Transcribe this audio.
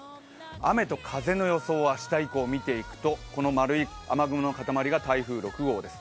雨と風の予想を明日以降、見ていきますとこの丸い雨雲の固まりが台風６号です。